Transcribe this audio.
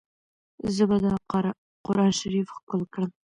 زه به دا قرانشریف ښکل کړم.